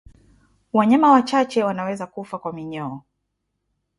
Wanyama wachache wanaweza kufa kwa minyoo